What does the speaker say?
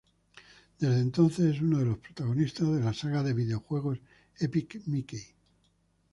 Desde entonces es uno de los protagonistas de la saga de videojuegos Epic Mickey.